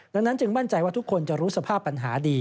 ดังนั้นจึงมั่นใจว่าทุกคนจะรู้สภาพปัญหาดี